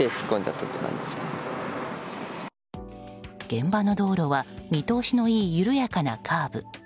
現場の道路は見通しのいい緩やかなカーブ。